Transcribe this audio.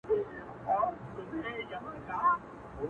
o زه په دې خپل سركــي اوبـــه څـــښـمــه،